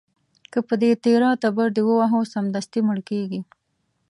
که په دې تېره تبر دې وواهه، سمدستي مړ کېږي.